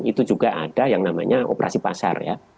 itu juga ada yang namanya operasi pasar ya